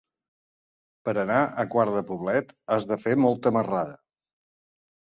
Per anar a Quart de Poblet has de fer molta marrada.